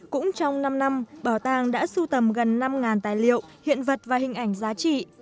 cũng trong năm năm bảo tàng đã sưu tầm gần năm tài liệu hiện vật và hình ảnh giá trị